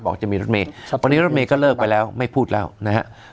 จะมีรถเมย์วันนี้รถเมย์ก็เลิกไปแล้วไม่พูดแล้วนะครับ